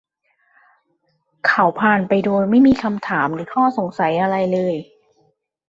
เขาผ่านไปโดยไม่มีคำถามหรืออข้อสงสัยอะไรเลย